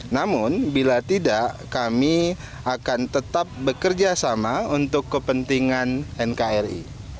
namun bila tidak kami akan tetap bekerja sama untuk kepentingan nkri